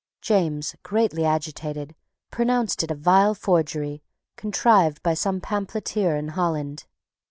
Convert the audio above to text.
James, greatly agitated, pronounced it a vile forgery contrived by some pamphleteer in Holland.